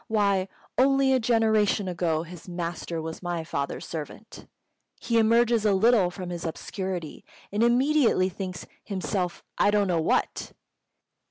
Why, only a generation ago his master was my father's servant! He emerges a little from his obscurity, and immediately thinks himself I don't know what!"